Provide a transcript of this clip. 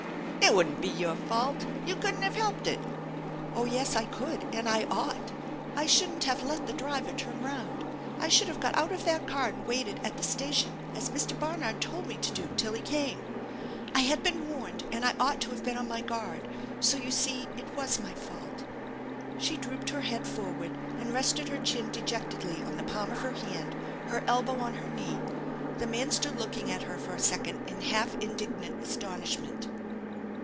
It wouldn't be your fault. You couldn't have helped it !" 279 280 THE ENCHANTED BARN " Oh, yes, I could, and I ought. I shouldn't have let the driver turn around. I should have got out of that car and waited at the station as Mr. Barnard told me to do till he came. I had been warned and I ought to have been on my guard. So you see it was my fault." She drooped her head forward and rested her chin de jectedly on the palm of her hand, her elbow on her knee. The man stood looking at her for a second in half indignant astonishment.